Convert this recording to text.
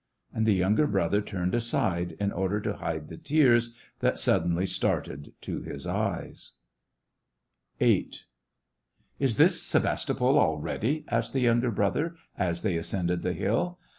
And the younger brother turned aside, in order to hide the tears that suddenly started to his eyies. SE VASTOPOL IN A UG US T. 157 VIII. " Is this Sevastopol already ?" asked the younger brother, as they ascended the hill.